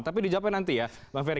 tapi dijawabnya nanti ya bang ferry